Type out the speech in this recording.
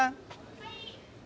はい。